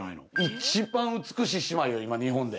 一番美しい姉妹よ、今日本で。